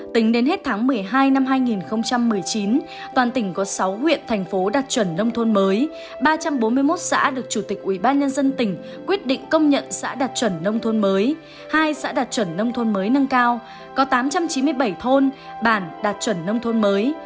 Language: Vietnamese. tính đến hết tháng một mươi hai năm hai nghìn một mươi chín toàn tỉnh có sáu huyện thành phố đạt chuẩn nông thôn mới ba trăm bốn mươi một xã được chủ tịch ubnd tỉnh quyết định công nhận xã đạt chuẩn nông thôn mới hai xã đạt chuẩn nông thôn mới nâng cao có tám trăm chín mươi bảy thôn bản đạt chuẩn nông thôn mới